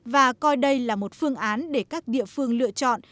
và coi đây là một phương án để các địa phương lựa chọn